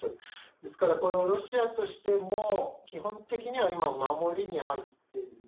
ですから、ロシアとしても、基本的には今守りに入っていると。